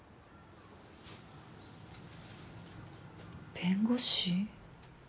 弁護士？